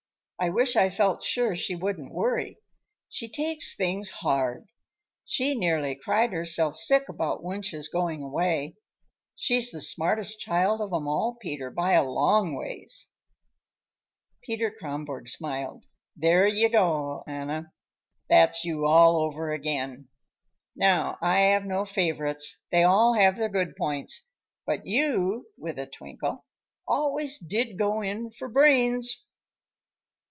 I wish I felt sure she wouldn't worry. She takes things hard. She nearly cried herself sick about Wunsch's going away. She's the smartest child of 'em all, Peter, by a long ways." Peter Kronborg smiled. "There you go, Anna. That's you all over again. Now, I have no favorites; they all have their good points. But you," with a twinkle, "always did go in for brains."